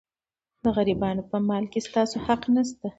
د غریبانو په مال کې ستاسو حق نشته.